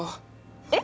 えっ？